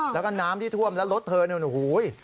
แล้วก็น้ำที่ท่วมแล้วรถเธอเนี่ยโอ้โห